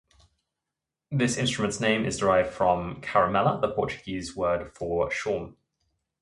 This instrument's name is derived from "charamela", the Portuguese word for shawm.